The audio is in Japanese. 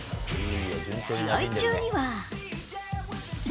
試合中には。